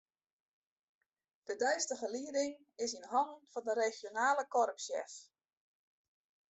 De deistige lieding is yn hannen fan de regionale korpssjef.